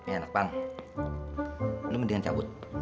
ya anak pang lo mendingan cabut